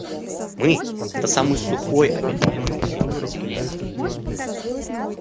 Мы — это самый сухой обитаемый материк на Земле.